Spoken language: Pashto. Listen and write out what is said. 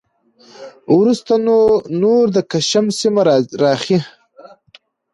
وروسته نو نور د کشم سیمه راخي